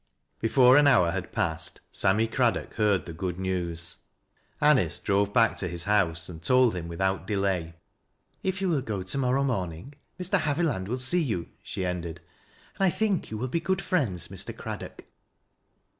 Before an hour had passed, Sammy Craddock heard the good news. Anice drove back to his house and told hiiii, without delay. " If you will go to morrow morning, Mr. Haviland will Bee you,'' she ended; "and I think you will be good frifends, Mr. Craddock."